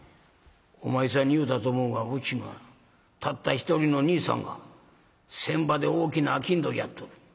「お前さんに言うたと思うがうちにはたった一人の兄さんが船場で大きな商人やっとる。